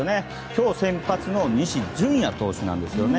今日、先発の西純矢投手です。